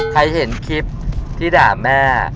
ใครเห็นคลิปที่ด่าแม่